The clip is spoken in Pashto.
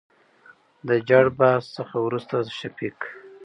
دجړبحث څخه ورورسته شفيق